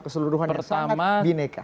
keseluruhan yang sangat bineka